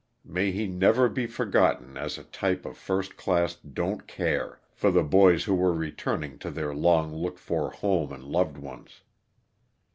May he never be forgotten as a type of first class don't care for the boys who were returning to their long looked for home and loved ones.